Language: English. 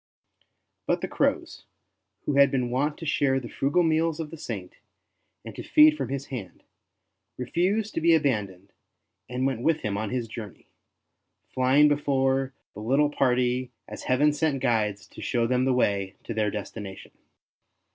But the crows, who had been wont to share the frugal meals of the Saint and to feed from his hand, refused to be abandoned and went with him on his jour ney, flying before the little party as Heaven 52 ST. BENEDICT 53 sent guides to show them the way to their destination.